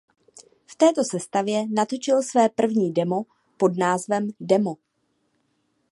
V této sestavě natočili své první demo pod názvem "Demo".